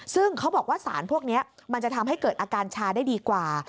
ซึ่งเขาบอกว่าสารพวกนี้มันจะทำให้เกิดอาการชาได้ดีกว่า